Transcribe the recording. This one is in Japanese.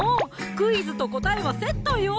クイズと答えはセットよ！